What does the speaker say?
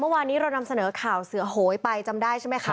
เมื่อวานนี้เรานำเสนอข่าวเสือโหยไปจำได้ใช่ไหมคะ